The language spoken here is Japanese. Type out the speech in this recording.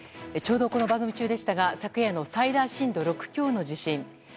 ちょうど、この番組中でしたが昨夜の最大震度６強の地震。